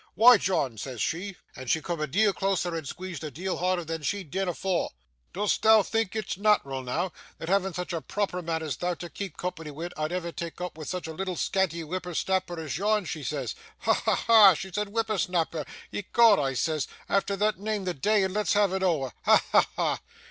"Why, John," says she and she coom a deal closer and squeedged a deal harder than she'd deane afore "dost thou think it's nat'ral noo, that having such a proper mun as thou to keep company wi', I'd ever tak' opp wi' such a leetle scanty whipper snapper as yon?" she says. Ha! ha! ha! She said whipper snapper! "Ecod!" I says, "efther thot, neame the day, and let's have it ower!" Ha! ha! ha!